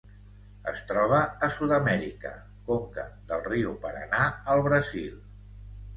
Es troba a Sud-amèrica: conca del riu Paranà al Brasil.